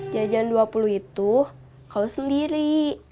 jajan dua puluh itu kalau sendiri